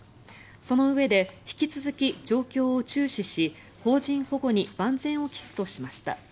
そのうえで引き続き状況を注視し邦人保護に万全を期すとしました。